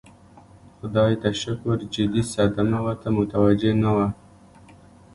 خدای ته شکر جدي صدمه ورته متوجه نه وه.